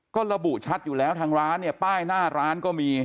ก็ระบุชัดอยู่แล้วทางร้านเนี่ยป้ายหน้าร้านก็มี